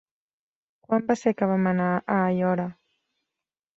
Quan va ser que vam anar a Aiora?